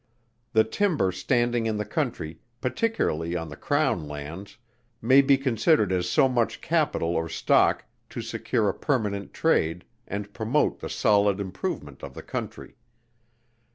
The timber standing in the Country, particularly on the Crown Lands, may be considered as so much capital or stock, to secure a permanent trade, and promote the solid improvement of the Country.